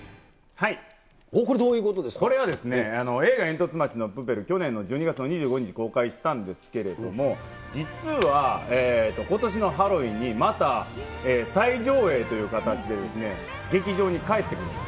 これはですね、映画、えんとつ町のプペル、去年の１２月２５日公開したんですけれども、実は、ことしのハロウィンにまた再上映という形で劇場に帰ってくるんです。